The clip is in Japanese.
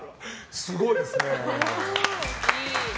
すごいですね。